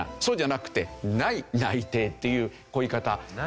そうじゃなくて「無い内定」というこういう言い方。